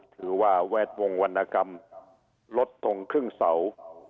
ถือว่าแวดวงวรรณกรรมลดทงครึ่งเสา